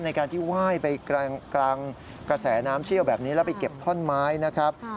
ในการที่ไหว้ไปกลางกระแสน้ำเชี่ยวแบบนี้แล้วไปเก็บท่อนไม้นะครับ